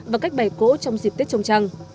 và cách bày cỗ trong dịp tết trông trăng